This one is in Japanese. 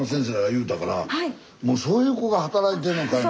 もうそういう子が働いてるんかいな。